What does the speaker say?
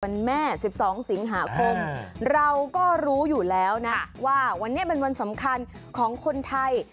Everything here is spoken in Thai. แม่๑๒สิงหาคมเราก็รู้อยู่แล้วนะว่าวันนี้เป็นวันสำคัญของคนไทย